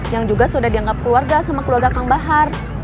yang juga sudah dianggap keluarga sama keluarga kang bahar